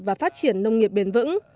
và phát triển bền vững